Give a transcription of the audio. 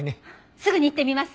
すぐに行ってみます。